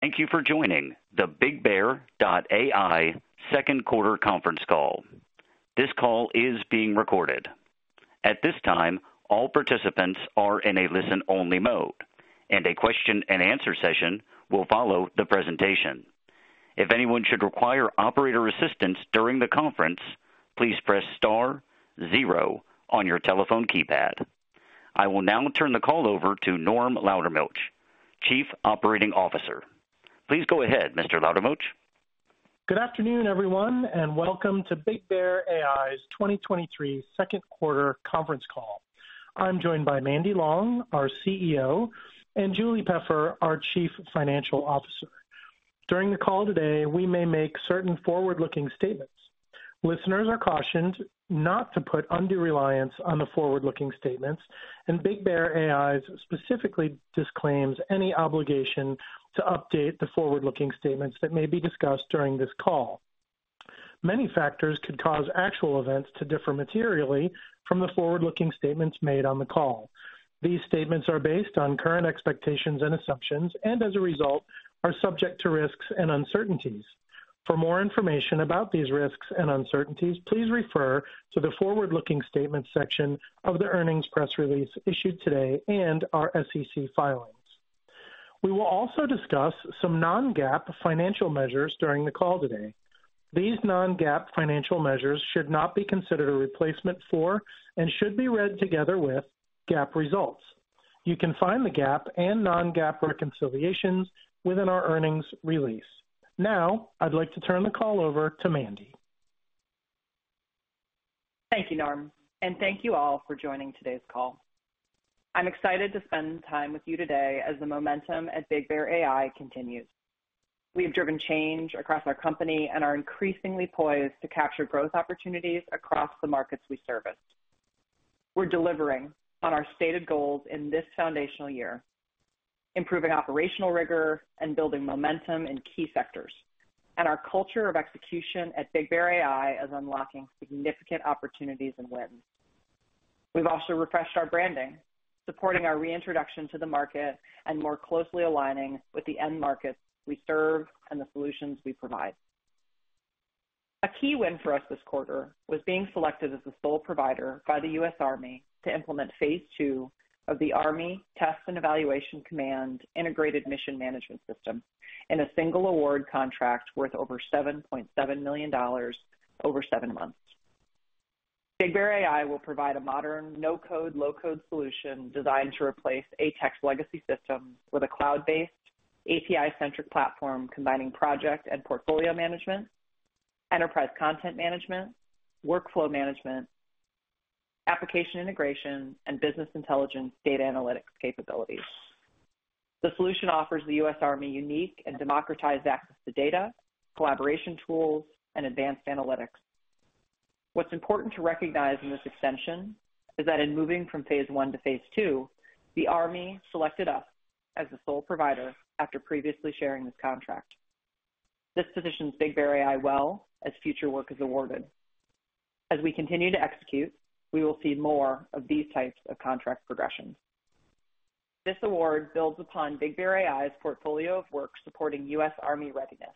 Thank you for joining the BigBear.ai second quarter conference call. This call is being recorded. At this time, all participants are in a listen-only mode, and a question-and-answer session will follow the presentation. If anyone should require operator assistance during the conference, please press star zero on your telephone keypad. I will now turn the call over to Norm Laudermilch, Chief Operating Officer. Please go ahead, Mr. Laudermilch. Good afternoon, everyone, and welcome to BigBear.ai's 2023 second quarter conference call. I'm joined by Mandy Long, our CEO, and Julie Peffer, our Chief Financial Officer. During the call today, we may make certain forward-looking statements. Listeners are cautioned not to put undue reliance on the forward-looking statements, and BigBear.ai specifically disclaims any obligation to update the forward-looking statements that may be discussed during this call. Many factors could cause actual events to differ materially from the forward-looking statements made on the call. These statements are based on current expectations and assumptions and, as a result, are subject to risks and uncertainties. For more information about these risks and uncertainties, please refer to the forward-looking statement section of the earnings press release issued today and our SEC filings. We will also discuss some non-GAAP financial measures during the call today. These non-GAAP financial measures should not be considered a replacement for and should be read together with GAAP results. You can find the GAAP and non-GAAP reconciliations within our earnings release. Now, I'd like to turn the call over to Mandy. Thank you, Norm, and thank you all for joining today's call. I'm excited to spend time with you today as the momentum at BigBear.ai continues. We've driven change across our company and are increasingly poised to capture growth opportunities across the markets we service. We're delivering on our stated goals in this foundational year, improving operational rigor and building momentum in key sectors, and our culture of execution at BigBear.ai is unlocking significant opportunities and wins. We've also refreshed our branding, supporting our reintroduction to the market and more closely aligning with the end markets we serve and the solutions we provide. A key win for us this quarter was being selected as the sole provider by the U.S. Army to implement phase 2 of the Army Test and Evaluation Command Integrated Mission Management System in a single award contract worth over $7.7 million over seven months. BigBear.ai will provide a modern, no-code, low-code solution designed to replace ATEC legacy systems with a cloud-based, API-centric platform combining project and portfolio management, enterprise content management, workflow management, application integration, and business intelligence data analytics capabilities. The solution offers the U.S. Army unique and democratized access to data, collaboration tools, and advanced analytics. What's important to recognize in this extension is that in moving from Phase 1 to Phase 2, the Army selected us as the sole provider after previously sharing this contract. This positions BigBear.ai well as future work is awarded. As we continue to execute, we will see more of these types of contract progressions. This award builds upon BigBear.ai's portfolio of work supporting U.S. Army readiness,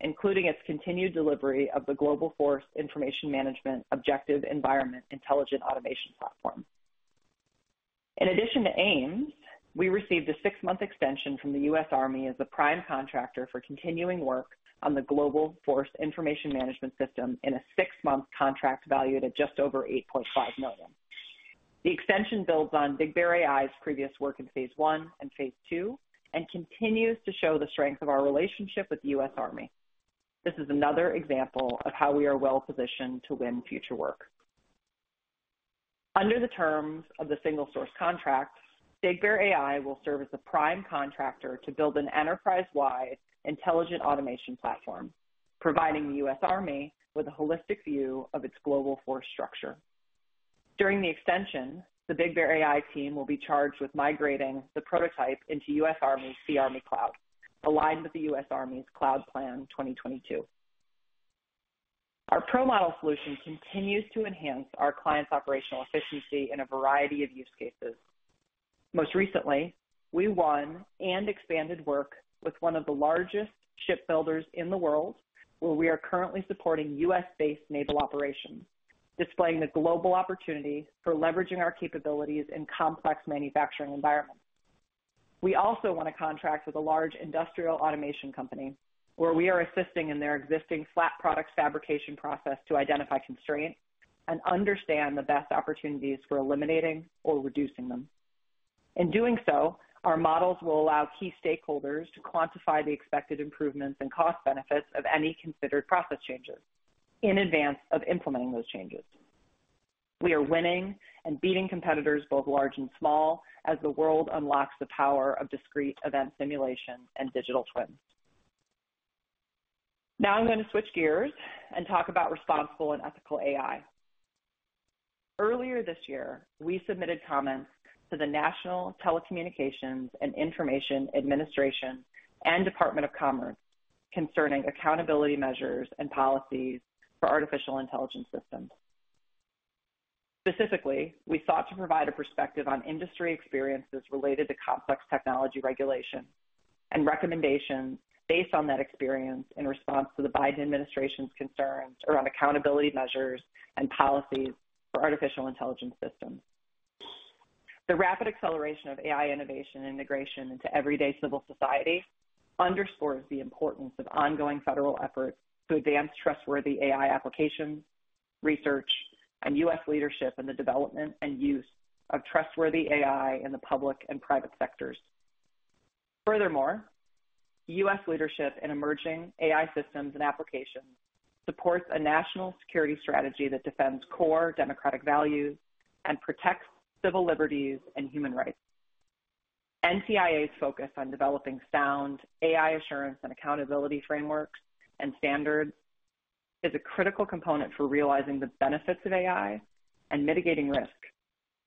including its continued delivery of the Global Force Information Management Objective Environment Intelligent Automation platform. In addition to AIMMS, we received a six-month extension from the U.S. Army as a prime contractor for continuing work on the Global Force Information Management System in a six-month contract valued at just over $8.5 million. The extension builds on BigBear.ai's previous work in Phase 1 and Phase 2 and continues to show the strength of our relationship with the U.S. Army. This is another example of how we are well positioned to win future work. Under the terms of the single-source contract, BigBear.ai will serve as a prime contractor to build an enterprise-wide intelligent automation platform, providing the U.S. Army with a holistic view of its global force structure. During the extension, the BigBear.ai team will be charged with migrating the prototype into U.S Army's cARMY cloud, aligned with the U.S. Army's Cloud Plan 2022. Our ProModel Solution continues to enhance our clients' operational efficiency in a variety of use cases. Most recently, we won and expanded work with one of the largest shipbuilders in the world, where we are currently supporting U.S.-based naval operations, displaying the global opportunity for leveraging our capabilities in complex manufacturing environments. We also won a contract with a large industrial automation company, where we are assisting in their existing flat product fabrication process to identify constraints and understand the best opportunities for eliminating or reducing them. In doing so, our models will allow key stakeholders to quantify the expected improvements and cost benefits of any considered process changes in advance of implementing those changes. We are winning and beating competitors, both large and small, as the world unlocks the power of discrete event simulation and digital twins. Now I'm going to switch gears and talk about responsible and ethical AI. Earlier this year, we submitted comments to the National Telecommunications and Information Administration and Department of Commerce concerning accountability measures and policies for artificial intelligence systems. Specifically, we sought to provide a perspective on industry experiences related to complex technology regulation and recommendations based on that experience in response to the Biden administration's concerns around accountability measures and policies for artificial intelligence systems. The rapid acceleration of AI innovation and integration into everyday civil society underscores the importance of ongoing federal efforts to advance trustworthy AI applications, research, and U.S. leadership in the development and use of trustworthy AI in the public and private sectors. Furthermore, U.S. leadership in emerging AI systems and applications supports a national security strategy that defends core democratic values and protects civil liberties and human rights. NTIA's focus on developing sound AI assurance and accountability frameworks and standards is a critical component for realizing the benefits of AI and mitigating risk,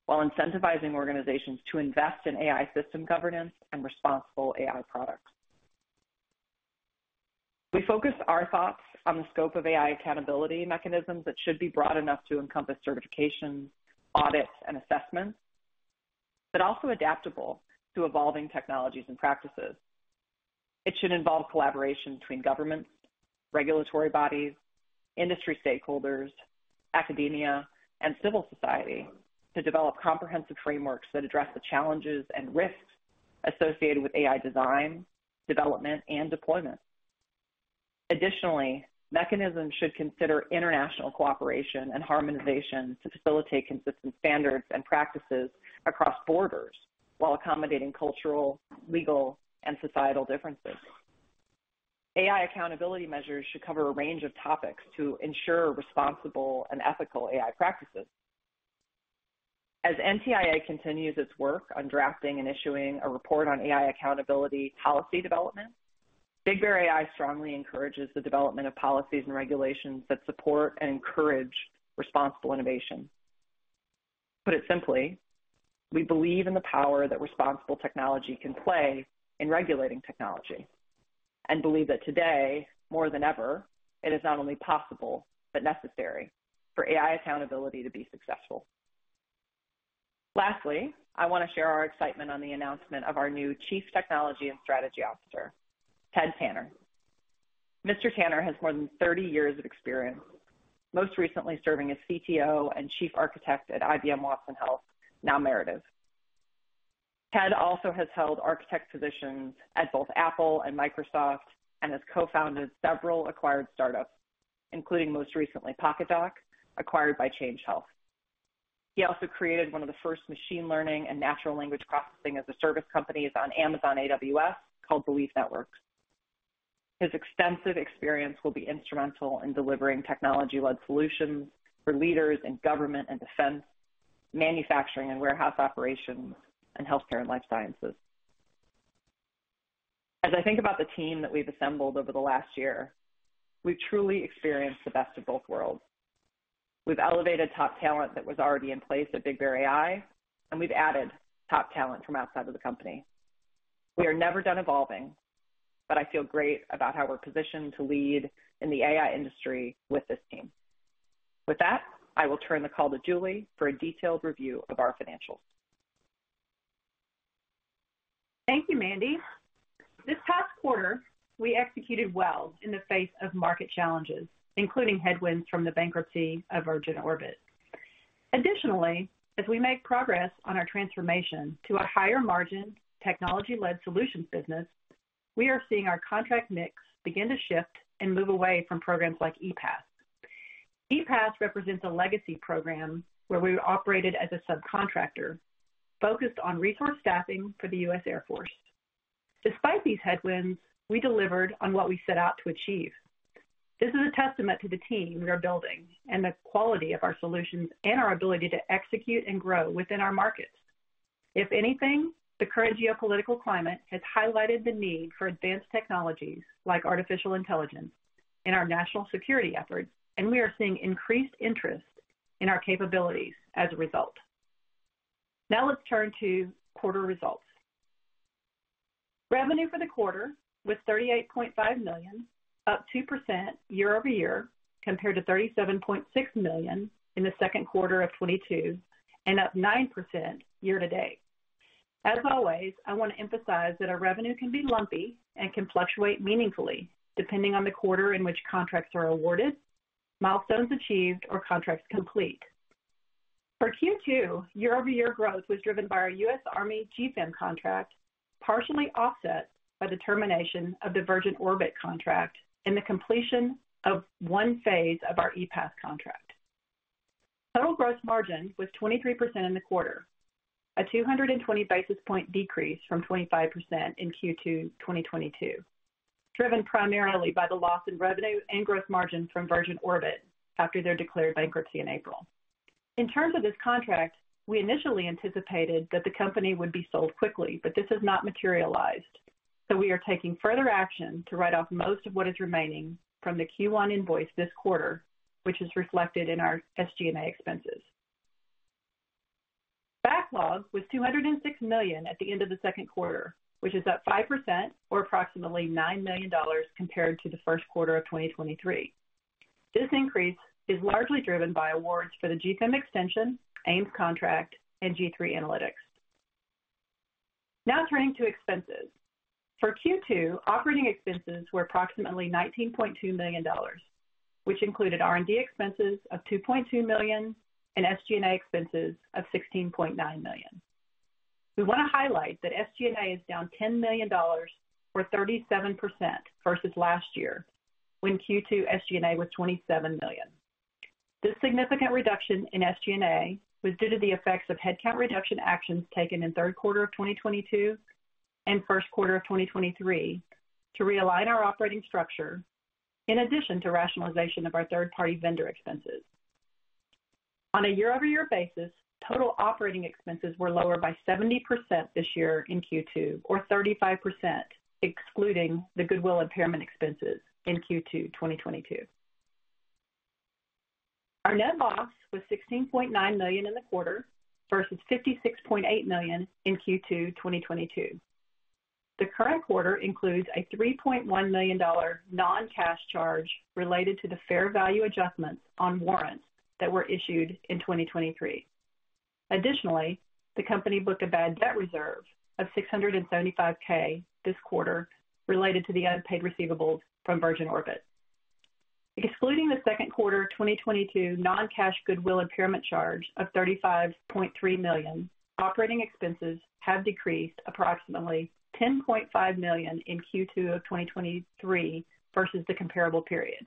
while incentivizing organizations to invest in AI system governance and responsible AI products. We focused our thoughts on the scope of AI accountability mechanisms that should be broad enough to encompass certifications, audits, and assessments, but also adaptable to evolving technologies and practices. It should involve collaboration between governments, regulatory bodies, industry stakeholders, academia, and civil society to develop comprehensive frameworks that address the challenges and risks associated with AI design, development, and deployment. Additionally, mechanisms should consider international cooperation and harmonization to facilitate consistent standards and practices across borders while accommodating cultural, legal, and societal differences. AI accountability measures should cover a range of topics to ensure responsible and ethical AI practices. As NTIA continues its work on drafting and issuing a report on AI accountability policy development, BigBear.ai strongly encourages the development of policies and regulations that support and encourage responsible innovation. To put it simply, we believe in the power that responsible technology can play in regulating technology, and believe that today, more than ever, it is not only possible but necessary for AI accountability to be successful. Lastly, I want to share our excitement on the announcement of our new Chief Technology and Strategy Officer, Ted Tanner. Mr. Tanner has more than 30 years of experience, most recently serving as CTO and Chief Architect at IBM Watson Health, now Merative. Ted also has held architect positions at both Apple and Microsoft and has co-founded several acquired startups, including most recently, PokitDok, acquired by Change Health. He also created one of the first machine learning and natural language processing as a service companies on Amazon AWS called BeliefNetworks. His extensive experience will be instrumental in delivering technology-led solutions for leaders in government and defense, manufacturing and warehouse operations, and healthcare and life sciences. As I think about the team that we've assembled over the last year, we've truly experienced the best of both worlds. We've elevated top talent that was already in place at BigBear.ai, and we've added top talent from outside of the company. We are never done evolving, but I feel great about how we're positioned to lead in the AI industry with this team. With that, I will turn the call to Julie for a detailed review of our financials. Thank you, Mandy. This past quarter, we executed well in the face of market challenges, including headwinds from the bankruptcy of Virgin Orbit. Additionally, as we make progress on our transformation to a higher margin, technology-led solutions business, we are seeing our contract mix begin to shift and move away from programs like EPASS. EPASS represents a legacy program where we operated as a subcontractor focused on resource staffing for the U.S. Air Force. Despite these headwinds, we delivered on what we set out to achieve. This is a testament to the team we are building and the quality of our solutions and our ability to execute and grow within our markets. If anything, the current geopolitical climate has highlighted the need for advanced technologies like artificial intelligence in our national security efforts, and we are seeing increased interest in our capabilities as a result. Let's turn to quarter results. Revenue for the quarter was $38.5 million, up 2% year-over-year compared to $37.6 million in the second quarter of 2022, up 9% year to date. As always, I want to emphasize that our revenue can be lumpy and can fluctuate meaningfully, depending on the quarter in which contracts are awarded, milestones achieved, or contracts complete. For Q2, year-over-year growth was driven by our U.S. Army GFIM contract, partially offset by the termination of the Virgin Orbit contract and the completion of one phase of our EPASS contract. Total gross margin was 23% in the quarter, a 220 basis point decrease from 25% in Q2 2022, driven primarily by the loss in revenue and gross margin from Virgin Orbit after their declared bankruptcy in April. In terms of this contract, we initially anticipated that the company would be sold quickly, but this has not materialized, so we are taking further action to write off most of what is remaining from the Q1 invoice this quarter, which is reflected in our SG&A expenses. Backlog was $206 million at the end of the second quarter, which is up 5% or approximately $9 million compared to the first quarter of 2023. This increase is largely driven by awards for the GFIM extension, AIMMS contract, and G3 Analytics. Turning to expenses. For Q2, operating expenses were approximately $19.2 million, which included R&D expenses of $2.2 million and SG&A expenses of $16.9 million. We want to highlight that SG&A is down $10 million, or 37%, versus last year, when Q2 SG&A was $27 million. This significant reduction in SG&A was due to the effects of headcount reduction actions taken in third quarter of 2022 and first quarter of 2023 to realign our operating structure, in addition to rationalization of our third-party vendor expenses. On a year-over-year basis, total operating expenses were lower by 70% this year in Q2, or 35%, excluding the goodwill impairment expenses in Q2, 2022. Our net loss was $16.9 million in the quarter versus $56.8 million in Q2, 2022. The current quarter includes a $3.1 million non-cash charge related to the fair value adjustments on warrants that were issued in 2023. Additionally, the company booked a bad debt reserve of $675,000 this quarter related to the unpaid receivables from Virgin Orbit. Excluding the second quarter, 2022 non-cash goodwill impairment charge of $35.3 million, operating expenses have decreased approximately $10.5 million in Q2 of 2023 versus the comparable period.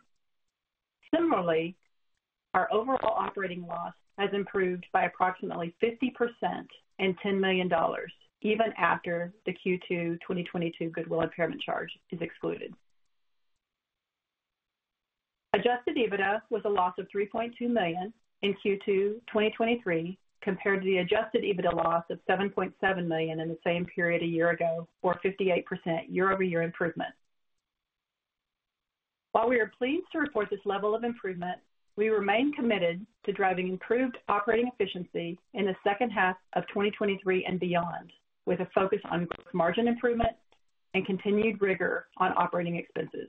Similarly, our overall operating loss has improved by approximately 50% and $10 million even after the Q2, 2022 goodwill impairment charge is excluded. Adjusted EBITDA was a loss of $3.2 million in Q2, 2023, compared to the adjusted EBITDA loss of $7.7 million in the same period a year ago, or 58% year-over-year improvement. While we are pleased to report this level of improvement, we remain committed to driving improved operating efficiency in the second half of 2023 and beyond, with a focus on gross margin improvement and continued rigor on operating expenses.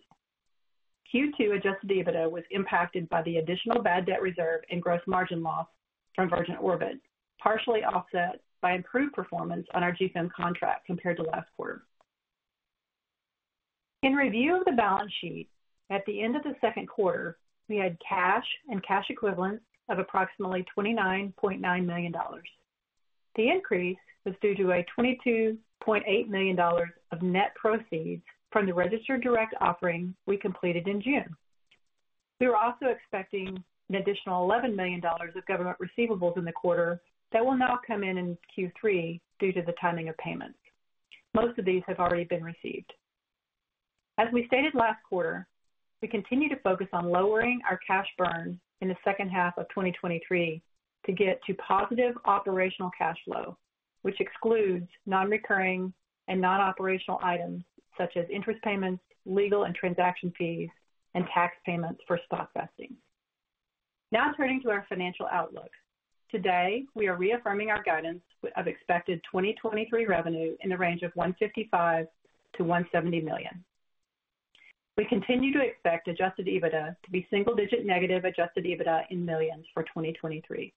Q2 adjusted EBITDA was impacted by the additional bad debt reserve and gross margin loss from Virgin Orbit, partially offset by improved performance on our GFIM contract compared to last quarter. In review of the balance sheet, at the end of the second quarter, we had cash and cash equivalents of approximately $29.9 million. The increase was due to a $22.8 million of net proceeds from the registered direct offering we completed in June. We were also expecting an additional $11 million of government receivables in the quarter that will now come in in Q3 due to the timing of payments. Most of these have already been received. As we stated last quarter, we continue to focus on lowering our cash burn in the second half of 2023 to get to positive operational cash flow, which excludes non-recurring and non-operational items such as interest payments, legal and transaction fees, and tax payments for stock vesting. Now turning to our financial outlook. Today, we are reaffirming our guidance of expected 2023 revenue in the range of $155 million-$170 million. We continue to expect adjusted EBITDA to be single-digit negative adjusted EBITDA in millions for 2023.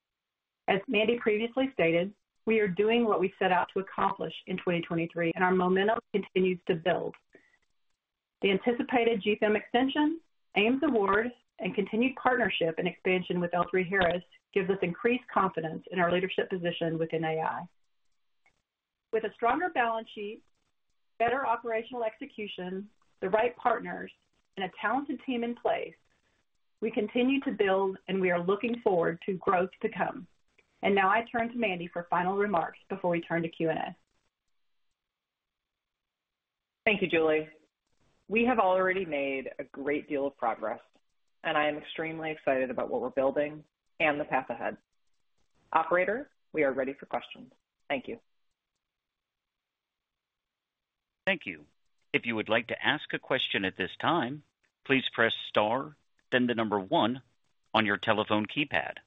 As Mandy previously stated, we are doing what we set out to accomplish in 2023, and our momentum continues to build. The anticipated GFIM extension, AIMMS award, and continued partnership and expansion with L3Harris gives us increased confidence in our leadership position within AI. With a stronger balance sheet, better operational execution, the right partners, and a talented team in place, we continue to build, and we are looking forward to growth to come. Now I turn to Mandy for final remarks before we turn to Q&A. Thank you, Julie. We have already made a great deal of progress, and I am extremely excited about what we're building and the path ahead. Operator, we are ready for questions. Thank you. Thank you. If you would like to ask a question at this time, please press star, then the number one on your telephone keypad.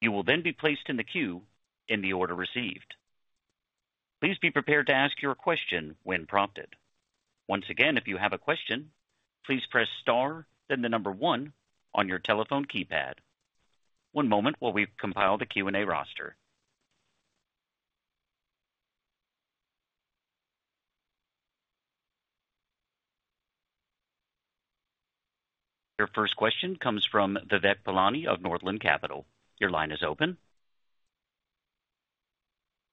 You will then be placed in the queue in the order received. Please be prepared to ask your question when prompted. Once again, if you have a question, please press star, then the number one on your telephone keypad. One moment while we compile the Q&A roster. Your first question comes from Vivek Palani of Northland Capital. Your line is open.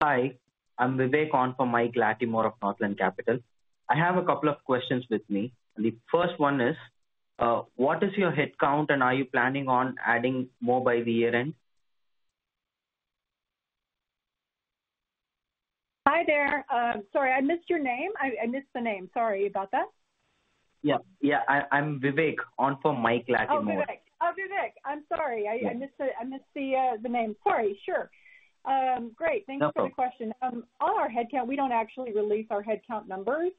Hi, I'm Vivek on from Mike Latimore of Northland Capital Markets. I have a couple of questions with me. The first one is, what is your headcount, and are you planning on adding more by the year end? Hi there. Sorry, I missed your name. I, I missed the name. Sorry about that. Yeah. Yeah, I, I'm Vivek, on for Mike Latimore. Oh, Vivek. Oh, Vivek, I'm sorry. Yeah. I missed the, I missed the, the name. Sorry. Sure. great. No problem. Thanks for the question. On our headcount, we don't actually release our headcount numbers.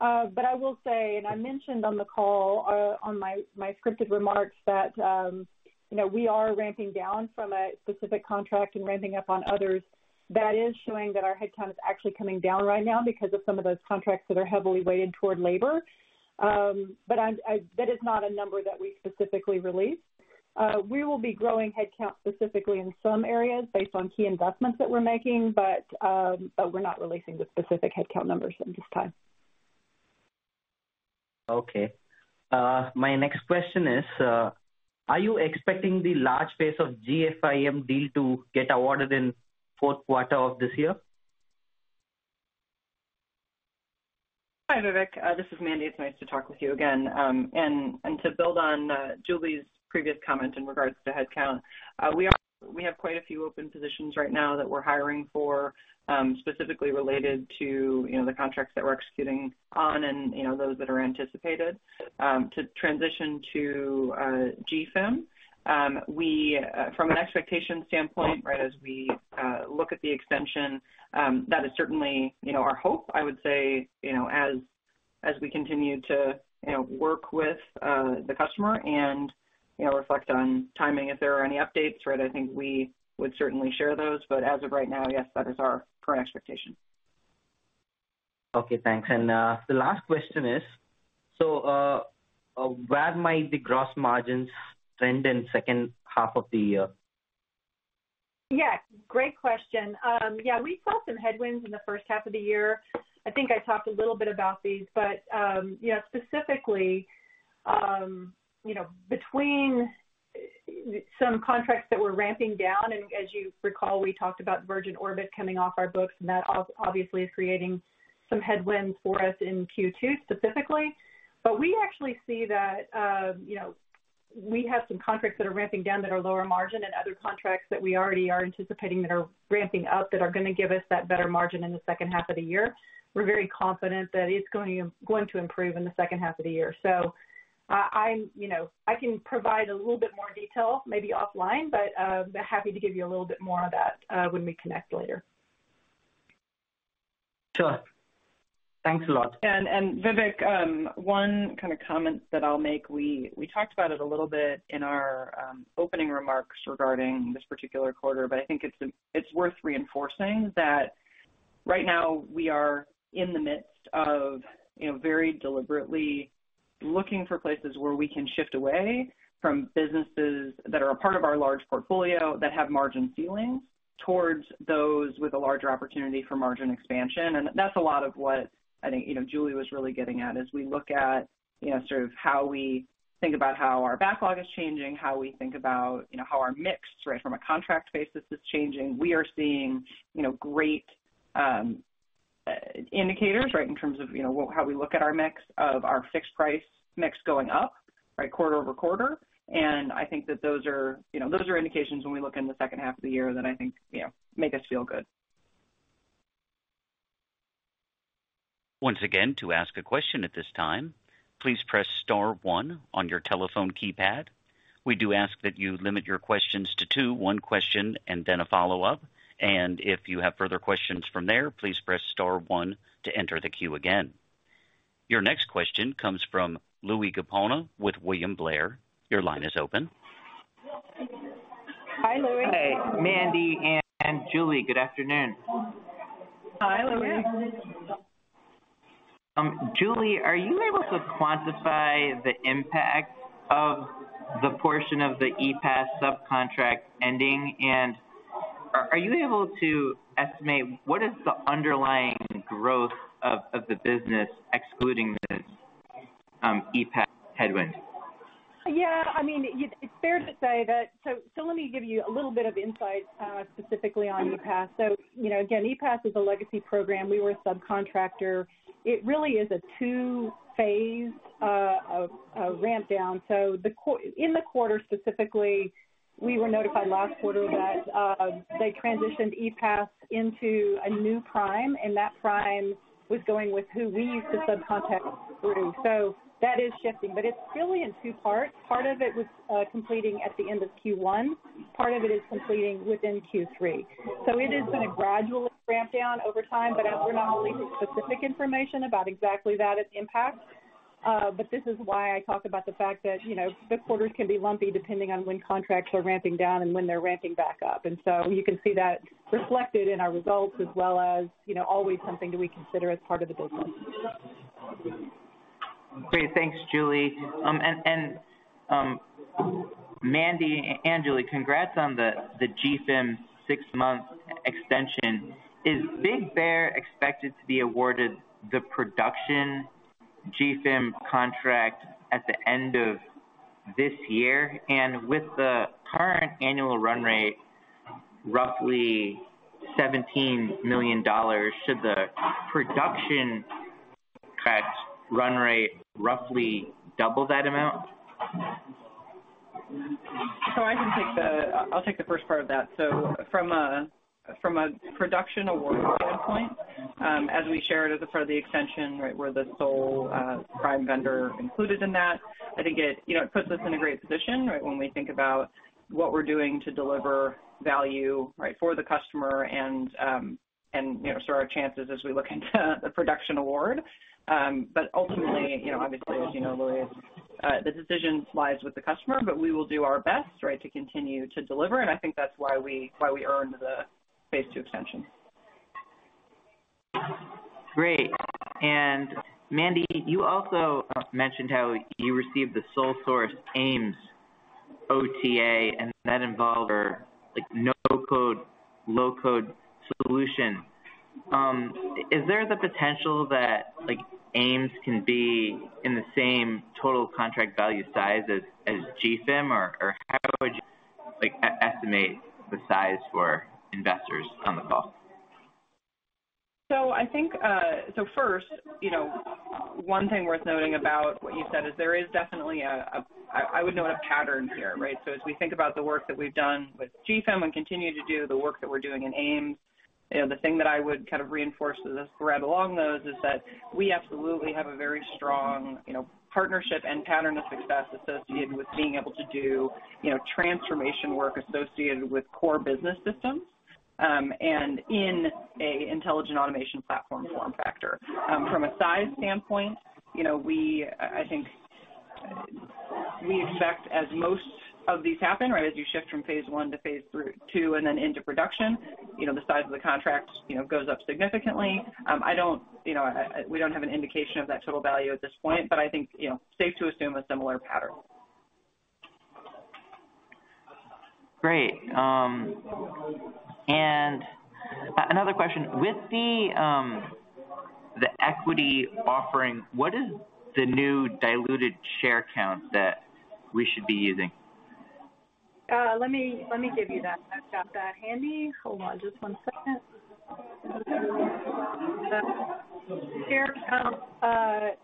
I will say, and I mentioned on the call, on my, my scripted remarks, that, you know, we are ramping down from a specific contract and ramping up on others. That is showing that our headcount is actually coming down right now because of some of those contracts that are heavily weighted toward labor. I'm That is not a number that we specifically release. We will be growing headcount specifically in some areas based on key investments that we're making, but, but we're not releasing the specific headcount numbers at this time. Okay. my next question is, are you expecting the large pace of GFIM deal to get awarded in fourth quarter of this year? Hi, Vivek. This is Mandy. It's nice to talk with you again. To build on Julie's previous comment in regards to headcount, we have quite a few open positions right now that we're hiring for, specifically related to, you know, the contracts that we're executing on and, you know, those that are anticipated to transition to GFIM. We, from an expectation standpoint, right, as we look at the extension, that is certainly, you know, our hope. I would say, you know, as, as we continue to, you know, work with the customer and, you know, reflect on timing, if there are any updates, right, I think we would certainly share those. As of right now, yes, that is our current expectation. Okay, thanks. The last question is: where might the gross margins trend in second half of the year? Yeah, great question. Yeah, we saw some headwinds in the first half of the year. I think I talked a little bit about these, but, you know, specifically, you know, between some contracts that we're ramping down, and as you recall, we talked about Virgin Orbit coming off our books, and that obviously is creating some headwinds for us in Q2, specifically. We actually see that, you know, we have some contracts that are ramping down that are lower margin, and other contracts that we already are anticipating that are ramping up, that are going to give us that better margin in the second half of the year. We're very confident that it's going to improve in the second half of the year. I, I, you know, I can provide a little bit more detail, maybe offline, but, happy to give you a little bit more on that, when we connect later. Sure. Thanks a lot. Vivek, one kind of comment that I'll make, we, we talked about it a little bit in our opening remarks regarding this particular quarter, but I think it's, it's worth reinforcing that right now we are in the midst of, you know, very deliberately looking for places where we can shift away from businesses that are a part of our large portfolio that have margin ceilings, towards those with a larger opportunity for margin expansion. That's a lot of what I think, you know, Julie was really getting at. As we look at, you know, sort of how we think about how our backlog is changing, how we think about, you know, how our mix, right, from a contract basis is changing. We are seeing, you know, great indicators, right, in terms of, you know, how we look at our mix, of our fixed price mix going up, right, quarter-over-quarter. I think that those are, you know, those are indications when we look in the second half of the year that I think, you know, make us feel good. Once again, to ask a question at this time, please press star one on your telephone keypad. We do ask that you limit your questions to two, one question and then a follow-up. If you have further questions from there, please press star one to enter the queue again. Your next question comes from Louie DiPalma with William Blair. Your line is open. Hi, Louie. Hi, Mandy and Julie. Good afternoon. Hi, Louie. Julie, are you able to quantify the impact of the portion of the EPASS subcontract ending? Are you able to estimate what is the underlying growth of the business excluding this EPASS headwind? Yeah, I mean, it's fair to say that. Let me give you a little bit of insight specifically on EPASS. You know, again, EPASS is a legacy program. We were a subcontractor. It really is a two-phase ramp down. In the quarter specifically, we were notified last quarter that they transitioned EPASS into a new prime, and that prime was going with who we used to subcontract through. That is shifting, but it's really in two parts. Part of it was completing at the end of Q1, part of it is completing within Q3. It is been a gradual ramp down over time, but we're not going to specific information about exactly that, its impact. This is why I talked about the fact that, you know, fifth quarters can be lumpy, depending on when contracts are ramping down and when they're ramping back up. You can see that reflected in our results as well as, you know, always something that we consider as part of the business. Great. Thanks, Julie. Mandy and Julie, congrats on the GFIM six-month extension. Is BigBear.ai expected to be awarded the production GFIM contract at the end of this year? With the current annual run rate, roughly $17 million, should the production contract run rate roughly double that amount? I can take the- I'll take the first part of that. From a, from a production award standpoint, as we shared as a part of the extension, right, we're the sole prime vendor included in that. I think it, you know, it puts us in a great position, right, when we think about what we're doing to deliver value, right, for the customer and, and, you know, so our chances as we look into the production award. But ultimately, you know, obviously, as you know, Louie, it's- the decision lies with the customer, but we will do our best, right, to continue to deliver, and I think that's why we, why we earned the phase two extension. Great. Mandy, you also mentioned how you received the sole source AIMMS OTA, and that involved our, like, no-code/low-code solution. Is there the potential that, like, AIMMS can be in the same total contract value size as, as GFIM? Or how would you, like, e-estimate the size for investors on the call? I think, first, you know, one thing worth noting about what you said is there is definitely a pattern here, right? As we think about the work that we've done with GFIM and continue to do the work that we're doing in AIMMS, you know, the thing that I would kind of reinforce as a thread along those is that we absolutely have a very strong, you know, partnership and pattern of success associated with being able to do, you know, transformation work associated with core business systems, and in a intelligent automation platform form factor. From a size standpoint, you know, we, I, I think, we expect as most of these happen, right, as you shift from phase one to phase three- two, and then into production, you know, the size of the contract, you know, goes up significantly. I don't, you know, we don't have an indication of that total value at this point, but I think, you know, safe to assume a similar pattern. Great. Another question: with the equity offering, what is the new diluted share count that we should be using? Let me, let me give you that. I've got that handy. Hold on just one second. Share count,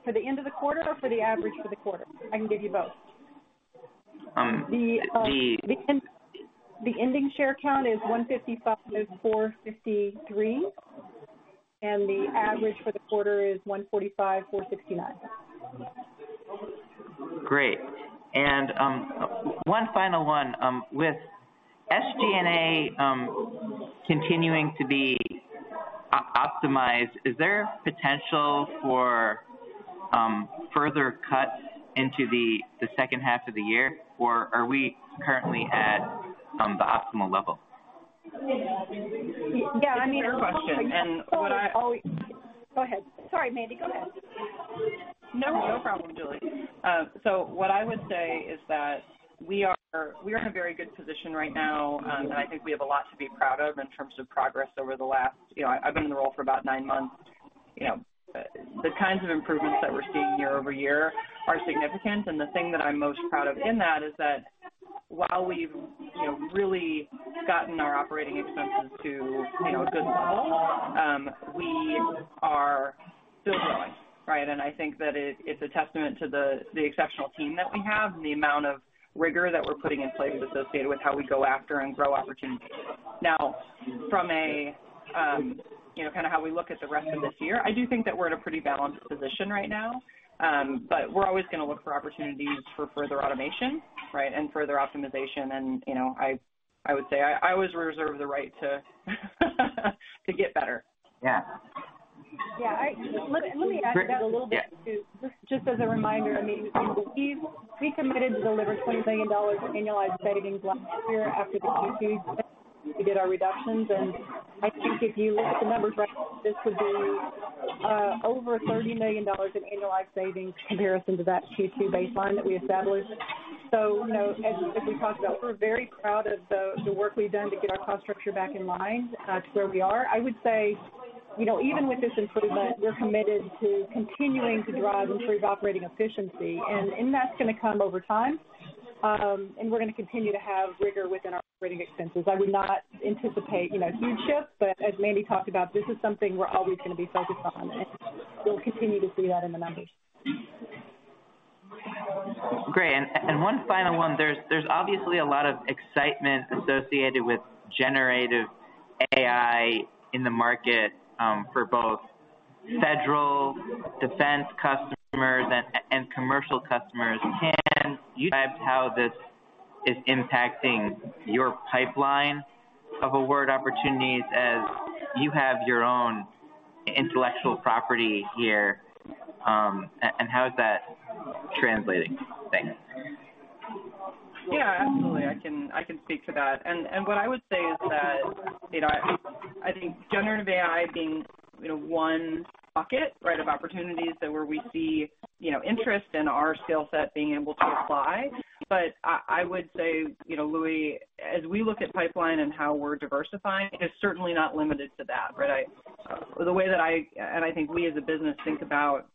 for the end of the quarter or for the average for the quarter? I can give you both. Um, the- The, the ending share count is 155.453, and the average for the quarter is 145.469. Great. One final one. With SG&A continuing to be optimized, is there potential for further cuts into the second half of the year, or are we currently at the optimal level? Yeah, I mean- Great question. Oh, go ahead. Sorry, Mandy, go ahead. No, no problem, Julie. What I would say is that we are, we are in a very good position right now, and I think we have a lot to be proud of in terms of progress over the last. You know, I've been in the role for about nine months. You know, the kinds of improvements that we're seeing year-over-year are significant, and the thing that I'm most proud of in that is that while we've, you know, really gotten our operating expenses to, you know, a good level, we are still growing, right? I think that it, it's a testament to the, the exceptional team that we have, and the amount of rigor that we're putting in place associated with how we go after and grow opportunities. Now, from a, you know, kind of how we look at the rest of this year, I do think that we're at a pretty balanced position right now. We're always going to look for opportunities for further automation, right, and further optimization. You know, I, I would say I, I always reserve the right to, to get better. Yeah. Yeah. Let me, let me add to that a little bit. Yeah. Just, just as a reminder, I mean, we, we committed to deliver $20 billion of annualized savings last year after the Q2 to get our reductions. I think if you look at the numbers, right, this would be over $30 million in annualized savings in comparison to that Q2 baseline that we established. You know, as, as we talked about, we're very proud of the, the work we've done to get our cost structure back in line to where we are. I would say, you know, even with this improvement, we're committed to continuing to drive improved operating efficiency, and, and that's going to come over time. We're going to continue to have rigor within our operating expenses. I would not anticipate, you know, huge shifts, but as Mandy talked about, this is something we're always going to be focused on, and we'll continue to see that in the numbers. Great. One final one. There's obviously a lot of excitement associated with generative AI in the market for both federal defense customers and commercial customers. Can you describe how this is impacting your pipeline of award opportunities as you have your own intellectual property here and how is that translating? Thanks. Yeah, absolutely. I can, I can speak to that. What I would say is that, you know, I, I think generative AI being, you know, one bucket, right, of opportunities so where we see, you know, interest in our skill set being able to apply. I would say, you know, Louie, as we look at pipeline and how we're diversifying, it's certainly not limited to that, right? I, the way that I, and I think we as a business think about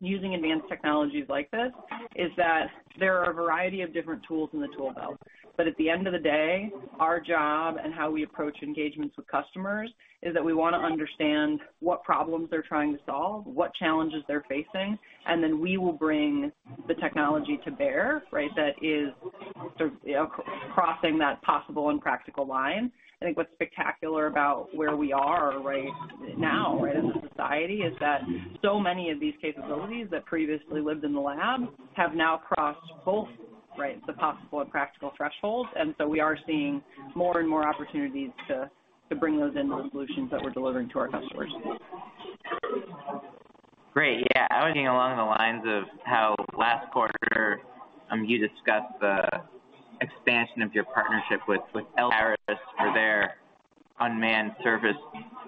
using advanced technologies like this, is that there are a variety of different tools in the tool belt. At the end of the day, our job and how we approach engagements with customers is that we want to understand what problems they're trying to solve, what challenges they're facing, then we will bring the technology to bear, right, that is sort of, you know, crossing that possible and practical line. I think what's spectacular about where we are right now, right, as a society, is that so many of these capabilities that previously lived in the lab have now crossed the possible and practical thresholds. We are seeing more and more opportunities to bring those into the solutions that we're delivering to our customers. Great. Yeah, I was thinking along the lines of how last quarter, you discussed the expansion of your partnership with Elaris for their unmanned surface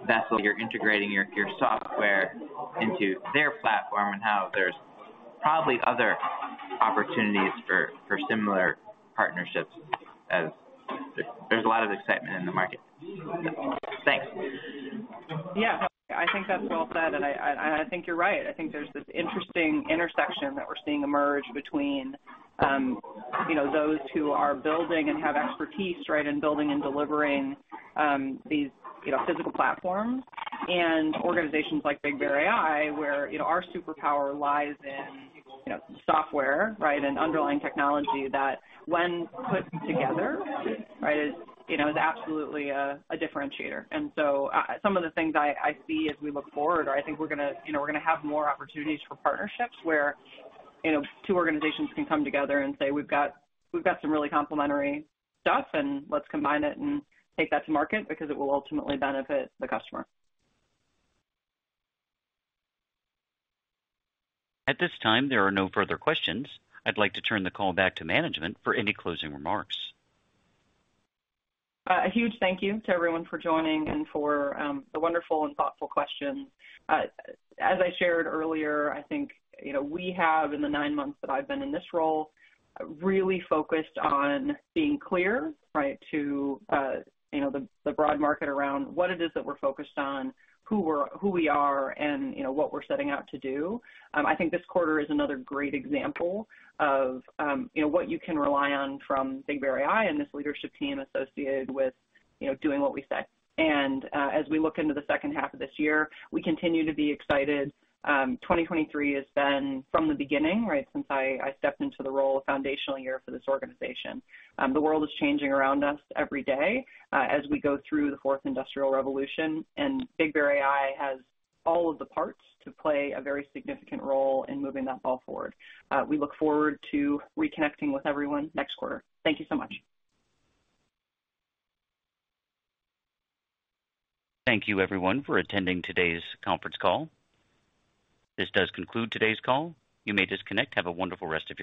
vessel. You're integrating your software into their platform, and how there's probably other opportunities for similar partnerships, as there's a lot of excitement in the market. Thanks. Yeah, I think that's well said, and I, I, and I think you're right. I think there's this interesting intersection that we're seeing emerge between, you know, those who are building and have expertise, right, in building and delivering, these, you know, physical platforms. Organizations like BigBear.ai, where, you know, our superpower lies in, you know, software, right, and underlying technology that when put together, right, is, you know, is absolutely a, a differentiator. Some of the things I, I see as we look forward are I think we're gonna, you know, we're gonna have more opportunities for partnerships where, you know, two organizations can come together and say, "We've got, we've got some really complementary stuff, and let's combine it and take that to market because it will ultimately benefit the customer. At this time, there are no further questions. I'd like to turn the call back to management for any closing remarks. A huge thank you to everyone for joining and for the wonderful and thoughtful questions. As I shared earlier, I think, you know, we have, in the nine months that I've been in this role, really focused on being clear, right, to, you know, the broad market around what it is that we're focused on, who we are, and you know, what we're setting out to do. I think this quarter is another great example of, you know, what you can rely on from BigBear.ai and this leadership team associated with, you know, doing what we say. As we look into the second half of this year, we continue to be excited. 2023 has been, from the beginning, right, since I, I stepped into the role, a foundational year for this organization. The world is changing around us every day, as we go through the Fourth Industrial Revolution, BigBear.ai has all of the parts to play a very significant role in moving that ball forward. We look forward to reconnecting with everyone next quarter. Thank you so much. Thank you everyone for attending today's conference call. This does conclude today's call. You may disconnect. Have a wonderful rest of your day.